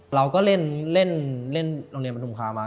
เราก็เล่นโรงเรียนปฐมภาคมา